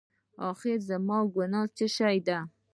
اخېر زما ګناه څه شی ده؟